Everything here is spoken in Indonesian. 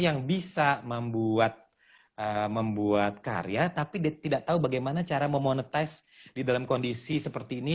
yang bisa membuat karya tapi dia tidak tahu bagaimana cara memonetize di dalam kondisi seperti ini